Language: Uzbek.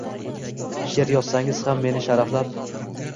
She’r yozsangiz ham meni sharaflab